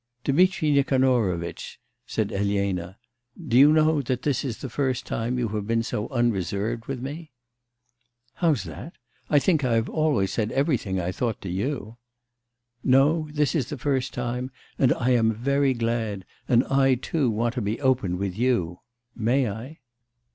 'Dmitri Nikanorovitch,' said Elena, 'do you know that this is the first time you have been so unreserved with me?' 'How's that? I think I have always said everything I thought to you.' 'No, this is the first time, and I am very glad, and I too want to be open with you. May I?